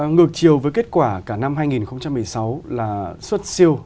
ngược chiều với kết quả cả năm hai nghìn một mươi sáu là xuất siêu